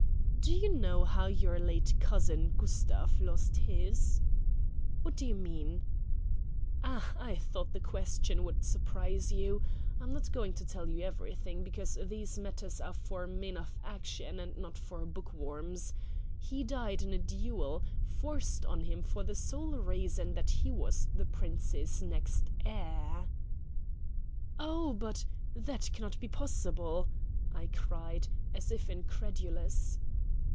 "Do you know how your late cousin, Gustav, lost his?" "What do you mean?" "Ah, I thought the question would surprise you. I'm not going to tell you everything, because these matters are for men of action, and not bookworms. He died in a duel, forced on him for the sole reason that he was the Prince's next heir." "Oh, but that cannot be possible," I cried, as if incredulous.